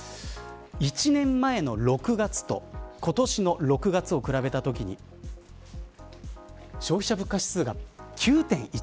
１年前の６月と今年の６月を比べたときに消費者物価指数が９．１％。